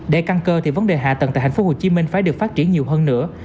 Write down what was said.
để căn cơ thì vấn đề hạ tầng tại tp hcm phải được phát triển nhiều hơn nữa